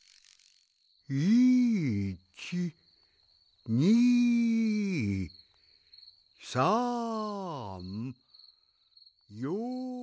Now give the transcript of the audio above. いちにさんよん。